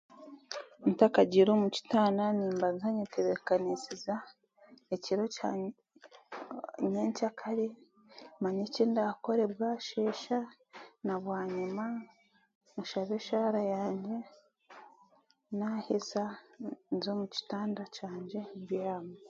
Ntakagiire omu kitanda nimbanza nyetebekanisiza ekiro ekya nyi nyenkyakare manye eki naakore bwasheesha nabwanyima nshabe eshaara yangye naaheeza nze omu kitanda kyangye mbyama